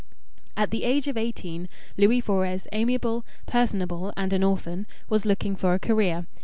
At the age of eighteen, Louis Fores, amiable, personable, and an orphan, was looking for a career.